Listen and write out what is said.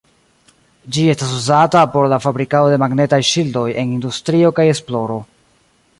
Ĝi estas uzata por la fabrikado de magnetaj ŝildoj en industrio kaj esploro.